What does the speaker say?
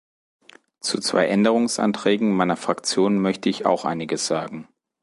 Zu zwei Änderungsanträgen meiner Fraktion möchte ich auch einiges sagen.